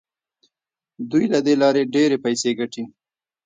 دوی له دې لارې ډیرې پیسې ګټي.